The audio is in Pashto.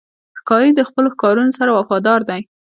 ښکاري د خپلو ښکارونو سره وفادار دی.